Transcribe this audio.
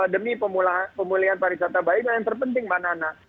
demi pemulihan pariwisata baik dan yang terpenting banana